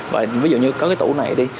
và ví dụ như có cái tủ này đi